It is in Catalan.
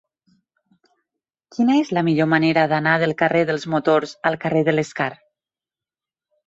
Quina és la millor manera d'anar del carrer dels Motors al carrer de l'Escar?